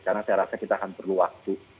karena saya rasa kita akan perlu waktu